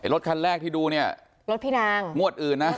รถคันแรกที่ดูงวดอื่นนะ